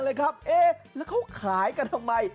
แล้วมันขายกันทำไม